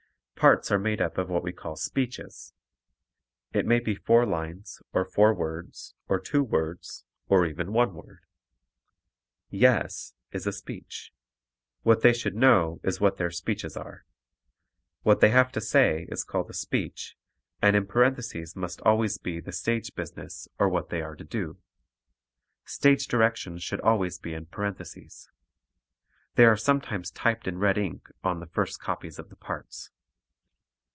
Parts are made up of what we call speeches. It may be four lines or four words or two words or even one word. "Yes" is a speech. What they should know is what their speeches are. What they have to say is called a "speech," and in parenthesis must always be the "stage business" or what they are to do. Stage directions should always be in parenthesis. They are sometimes typed in red ink on the first copies of the parts.